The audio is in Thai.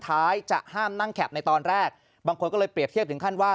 ท้ายจะห้ามนั่งแคบในตอนแรกบางคนก็เลยเปลี่ยนเทียบถึงค่า้า